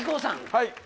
はい。